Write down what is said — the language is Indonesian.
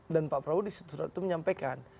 dan pak prabowo di surat itu menyampaikan